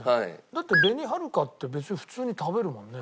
だって紅はるかって別に普通に食べるもんね。